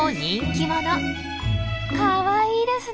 かわいいですねえ。